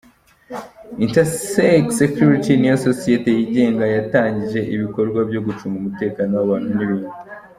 Intersec Security niyo sosiyete yigenga yatangije ibikorwa byo gucunga umutekano w’abantu n’ibintu.